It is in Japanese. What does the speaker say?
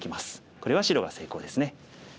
これは白が成功ですね。